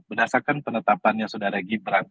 berdasarkan penetapannya saudara gibran